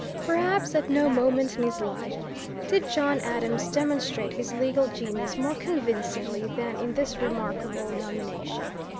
Perhaps at no moment in his life did John Adams demonstrate his legal genius more convincingly than in this remarkable nomination.